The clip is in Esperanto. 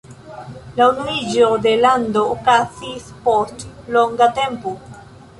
La unuiĝo de lando okazis post longa tempo.